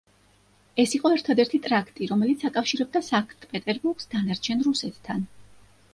ეს იყო ერთადერთი ტრაქტი, რომელიც აკავშირებდა სანქტ-პეტერბურგს დანარჩენ რუსეთთან.